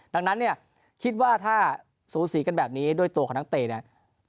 ดังนั้นเนี่ยคิดว่าถ้าสูสีกันแบบนี้ด้วยตัวของนักเตะเนี่ย